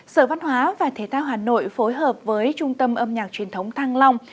sở văn hóa và thế thao hà nội phối hợp với trung tâm âm nhạc truyền thống thăng long